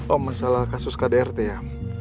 oh masalah kasus kdrt ya